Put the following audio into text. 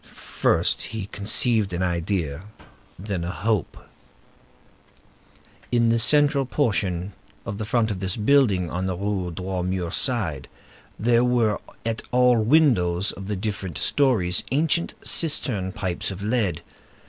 First he conceived an idea, then a hope. In the central portion of the front of this building, on the Rue Droit Mur side, there were at all the windows of the different stories ancient cistern pipes of lead.